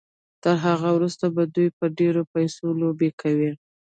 تر هغه وروسته به دوی په ډېرو پيسو لوبې کوي.